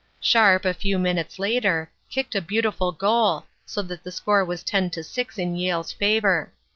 Sharpe, a few minutes later, kicked a beautiful goal, so that the score was 10 to 6 in Yale's favor.